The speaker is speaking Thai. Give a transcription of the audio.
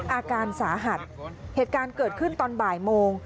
อาการสาหัสเหตุการณ์เกิดขึ้นตอนบ่ายโมง